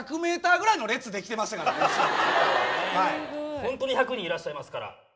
ホントに１００人いらっしゃいますから。